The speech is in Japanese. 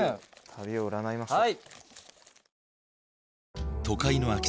旅を占いましょう。